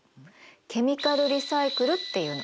ケミカルリサイクルっていうの。